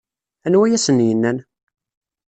Anwa ay asen-yennan?